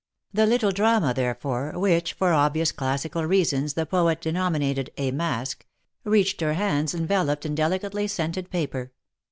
The little drama, therefore, which for obvious classical reasons the poet denominated " A Masque," reached her hands enveloped in delicately scented paper.